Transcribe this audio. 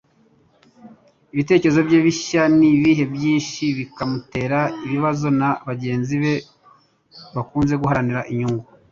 Ibitekerezo bye bishya nibihe byinshi bikamutera ibibazo na bagenzi be bakunze guharanira inyungu.